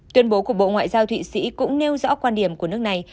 tuyên bố của bộ ngoại giao thụy sĩ cũng nêu rõ quan điểm của nước này